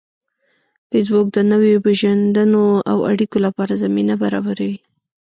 فېسبوک د نویو پیژندنو او اړیکو لپاره زمینه برابروي